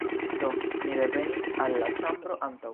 Do, mi revenis al la ĉambro antaŭ